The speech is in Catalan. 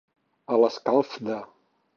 A l'escalf de.